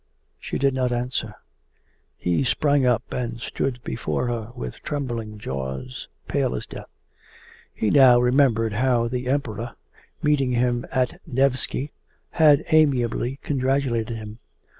She did not answer. He sprang up and stood before her with trembling jaws, pale as death. He now remembered how the Emperor, meeting him on the Nevsky, had amiably congratulated him.